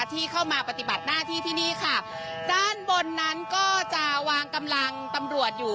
ที่เข้ามาปฏิบัติหน้าที่ที่นี่ค่ะด้านบนนั้นก็จะวางกำลังตำรวจอยู่